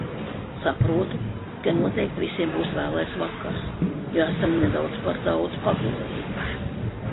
Saprotu, ka noteikti visiem būs vēlais vakars, jo esam nedaudz par daudz pagulējuši.